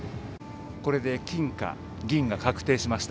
これで、金か銀が確定しました。